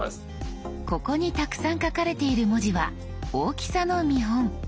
ここにたくさん書かれている文字は大きさの見本。